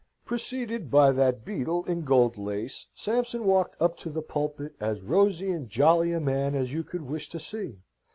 Preceded by that beadle in gold lace, Sampson walked up to the pulpit, as rosy and jolly a man as you could wish to see.